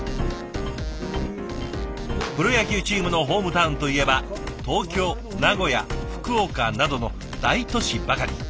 プロ野球チームのホームタウンといえば東京名古屋福岡などの大都市ばかり。